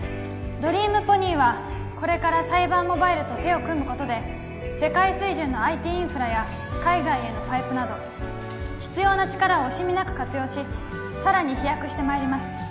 ドリームポニーはこれからサイバーモバイルと手を組むことで世界水準のＩＴインフラや海外へのパイプなど必要な力を惜しみなく活用しさらに飛躍してまいります